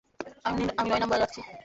আমি নয় নাম্বারে যাচ্ছি।